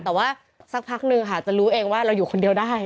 แต่ว่าสักพักนึงค่ะจะรู้เองว่าเราอยู่คนเดียวได้